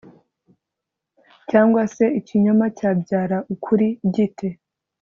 cyangwa se ikinyoma cyabyara ukuri gite